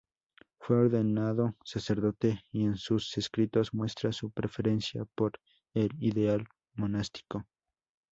Fue ordenado sacerdote y en sus escritos muestra su preferencia por el ideal monástico.